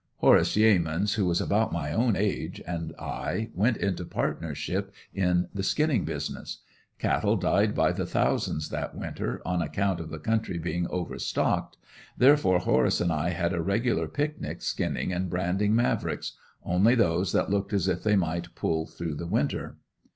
Horace Yeamans, who was about my own age and I went into partnership in the skinning business. Cattle died by the thousands that winter, on account of the country being overstocked, therefore Horace and I had a regular picnic skinning, and branding Mavricks only those that looked as if they might pull through the winter.